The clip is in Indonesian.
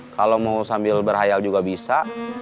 kalau mau sambil berhayal juga bisa